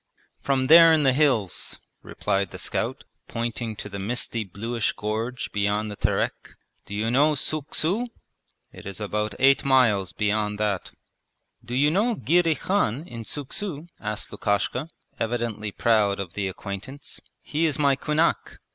'From there in the hills,' replied the scout, pointing to the misty bluish gorge beyond the Terek. 'Do you know Suuk su? It is about eight miles beyond that.' 'Do you know Girey Khan in Suuk su?' asked Lukashka, evidently proud of the acquaintance. 'He is my kunak.'